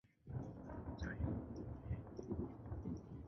天目山由粗面岩和流纹岩等构成。